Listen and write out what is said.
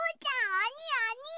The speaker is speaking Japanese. おにおに！